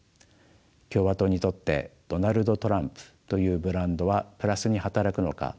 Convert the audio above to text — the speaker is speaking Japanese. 共和党にとって「ドナルド・トランプ」というブランドはプラスに働くのか